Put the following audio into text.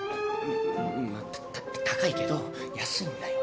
まあた高いけど安いんだよ。